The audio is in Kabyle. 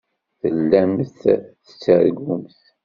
Tellamt tettargumt.